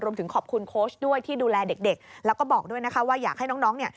รวมถึงขอบคุณโค้ชด้วยที่ดูแลเด็กแล้วก็บอกด้วยนะคะว่าอยากให้น้องเนี่ย